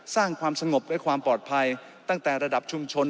สร้างความสงบและความปลอดภัยตั้งแต่ระดับชุมชน